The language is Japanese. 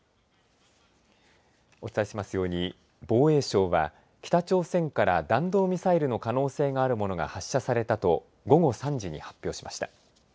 お伝えしていますように防衛省は北朝鮮から弾道ミサイルの可能性があるものが発射されたと午後３時に発表しました。